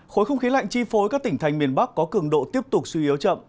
khối không khí lạnh chi phối các tỉnh thành miền bắc có cường độ tiếp tục suy yếu chậm